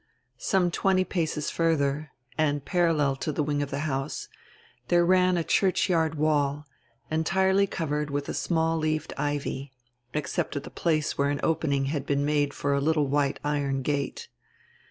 Some twenty paces furdier, and parallel to die wing of die house, diere ran a churchyard wall, entirely covered with a small leaved ivy, except at die place where an opening had been made for a littie white iron gate.